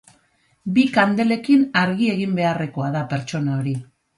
Bi kandelekin argi egin beharrekoa da pertsona hori